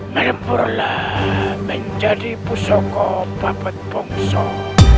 menempurlah menjadi pusokom bapak pungsok